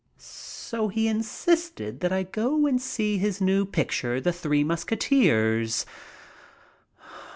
So he insisted that I go and see his new picture, "The Three Musketeers."